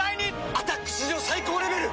「アタック」史上最高レベル！